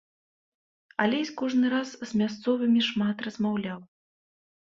Алесь кожны раз з мясцовымі шмат размаўляў.